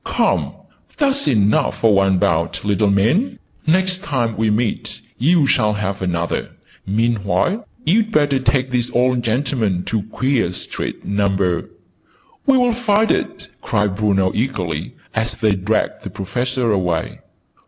Come, that's enough for one bout, little man!' Next time we meet, you shall have another. Meanwhile you'd better take this old gentleman to Queer Street, Number " "We'll find it!" cried Bruno eagerly, as they dragged the Professor away.